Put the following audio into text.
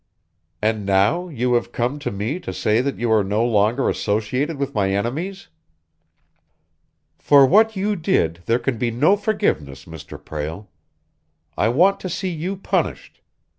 "And now you have come to me to say that you are no longer associated with my enemies?" "For what you did, there can be no forgiveness, Mr. Prale. I want to see you punished.